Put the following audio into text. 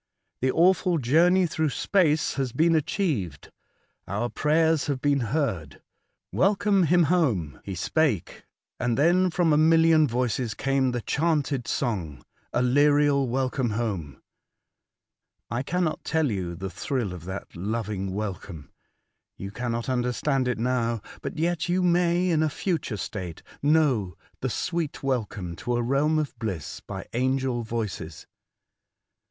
The awful journey through space has been achieved. Our prayers have been heard. Welcome him home." ^^: He spake, and then from a million voices came the chanted song :*^ Aleriel, welcome 84 ^1 VoT/age to Other Worlds, home." I cannot tell you the thrill of that loving welcome. You cannot understand it now ; but yet you may in a future state know the sweet welcome to a realm of bliss by angel voices.